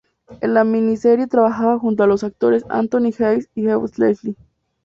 En la miniserie trabajará junto a los actores Anthony Hayes y Ewen Leslie.